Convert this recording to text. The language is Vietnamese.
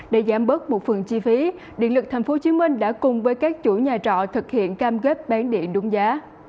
để giảm bớt một phần chi phí điện lực tp hcm đã cùng với các chủ nhà trọ thực hiện cam kết bán điện đúng giá